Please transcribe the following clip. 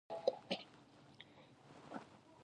افغانستان د انګورو له پلوه له نورو هېوادونو سره اړیکې لري.